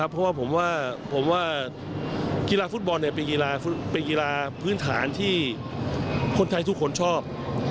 เพราะว่ากีฬาฟุตบอลเป็นกีฬาพื้นฐานที่คนไทยทุกคนชอบ